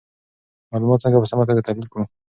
معلومات څنګه په سمه توګه تحلیل کړو؟